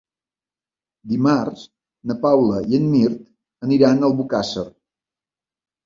Dimarts na Paula i en Mirt aniran a Albocàsser.